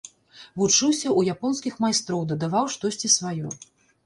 Вучыўся ў японскіх майстроў, дадаваў штосьці сваё.